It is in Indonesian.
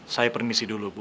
saya permisi dulu bu